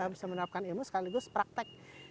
bisa menerapkan ilmu sekaligus praktek